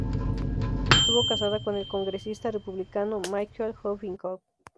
Estuvo casada con el congresista republicano Michael Huffington.